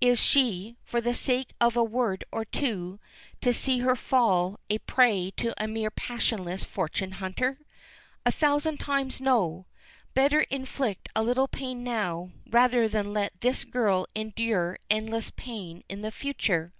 Is she, for the sake of a word or two, to see her fall a prey to a mere passionless fortune hunter? A thousand times no! Better inflict a little pain now rather than let this girl endure endless pain in the future.